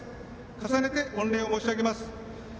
重ねて、御礼申し上げます。